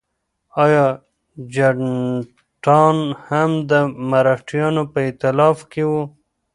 ایا جټان هم د مرهټیانو په ائتلاف کې وو؟